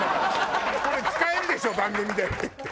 「これ使えるでしょ番組で」って言って。